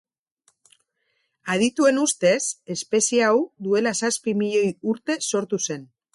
Adituen ustez espezie hau duela zazpi milioi urte sortu zen.